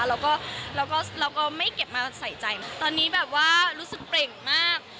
เราก็ไม่เก็บมาใส่ใจตอนนี้แบบว่ารู้สึกเปร่งมาก